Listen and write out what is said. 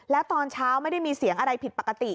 แล้วตอนเช้าไม่ได้มีเสียงอะไรผิดปกติ